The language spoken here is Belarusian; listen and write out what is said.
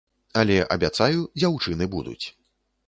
Але, абяцаю, дзяўчыны будуць.